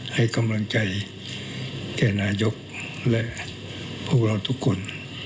ให้กำลังใจแก่นายกและพวกเราทุกคน